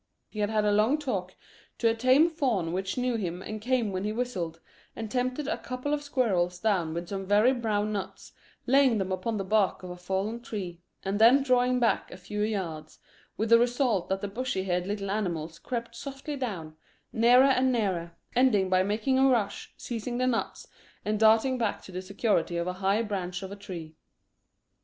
He had had a long talk to a tame fawn which knew him and came when he whistled, and tempted a couple of squirrels down with some very brown nuts, laying them upon the bark of a fallen tree, and then drawing back a few yards, with the result that the bushy tailed little animals crept softly down, nearer and nearer, ending by making a rush, seizing the nuts, and darting back to the security of a high branch of a tree.